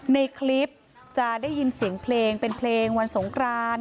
ในคลิปจะได้ยินเสียงเพลงเป็นเพลงวันสงคราน